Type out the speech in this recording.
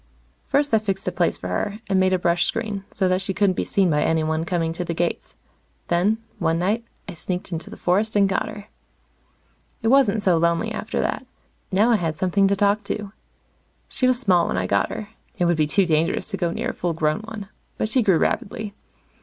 First I fixed a place for her, and made a brush screen, so that she couldn't be seen by anyone coming to the gates. Then, one night, I sneaked into the forest and got her. It wasn't so lonely after that. Now I had something to talk to. She was small when I got her it would be too dangerous to go near a full grown one but she grew rapidly.